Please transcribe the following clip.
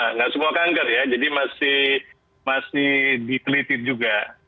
nggak semua kanker ya jadi masih diteliti juga